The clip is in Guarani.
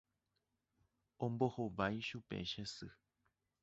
Ombohovái chupe che sy.